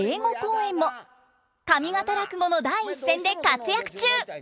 上方落語の第一線で活躍中。